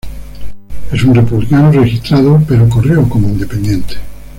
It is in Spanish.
Es un republicano registrado, pero corrió como independiente.